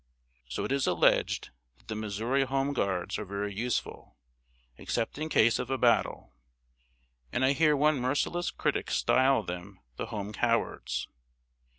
So it is alleged that the Missouri Home Guards are very useful except in case of a battle; and I hear one merciless critic style them the "Home Cowards."